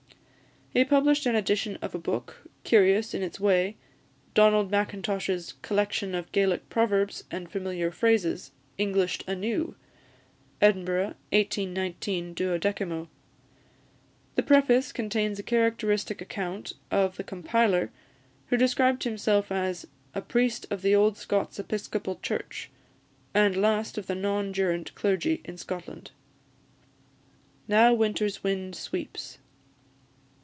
He published an edition of a book, curious in its way Donald Mackintosh's "Collection of Gaelic Proverbs, and Familiar Phrases; Englished anew!" Edinburgh, 1819, 12mo. The preface contains a characteristic account of the compiler, who described himself as "a priest of the old Scots Episcopal Church, and last of the non jurant clergy in Scotland." NOW WINTER'S WIND SWEEPS.